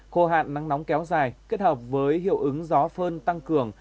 khô hạn nắng nóng kéo dài kết hợp với hiệu ứng gió phơn tăng cường